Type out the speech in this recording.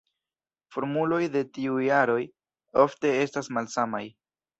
Formuloj de tiuj aroj ofte estas malsamaj.